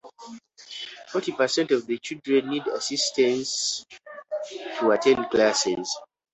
Forty percent of the children need assistance to attend classes.